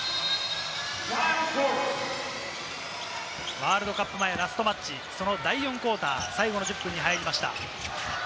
ワールドカップ前ラストマッチ、その第４クオーター、最後の１０分に入りました。